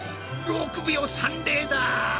６秒３０だ。